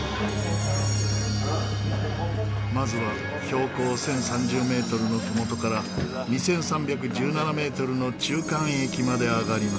まずは標高１０３０メートルのふもとから２３１７メートルの中間駅まで上がります。